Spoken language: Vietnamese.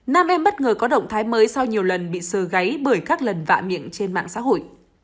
nam em bất ngờ có động thái mới sau nhiều lần bị sờ gáy bởi các lần vạ miệng trên mạng xã hội